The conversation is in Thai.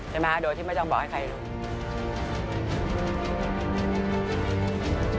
มาโดยที่ไม่ต้องบอกให้ใครรู้